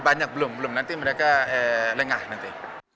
banyak belum belum nanti mereka lengah nanti